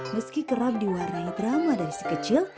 meski kerap diwarnai drama dan si kecil